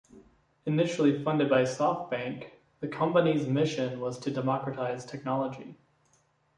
Initially funded by SoftBank, the company's mission was to democratize technology.